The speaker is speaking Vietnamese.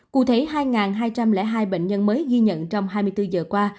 cụ thể hai hai trăm linh hai bệnh nhân mới ghi nhận trong hai mươi bốn giờ qua